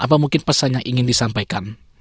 apa mungkin pesannya ingin disampaikan